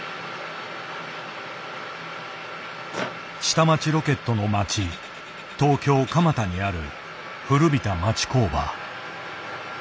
「下町ロケット」の町東京・蒲田にある古びた町工場。